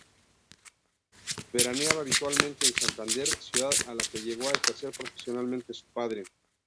Veraneaba habitualmente en Santander, ciudad en la que llegó a ejercer profesionalmente su padre.